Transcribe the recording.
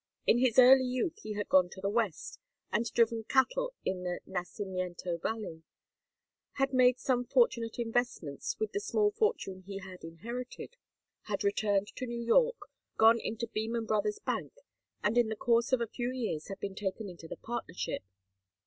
In his early youth he had gone to the West, and driven cattle in the Nacimiento Valley, had made some fortunate investments with the small fortune he had inherited, had returned to New York, gone into Beman Brothers' bank, and in the course of a few years had been taken into the partnership.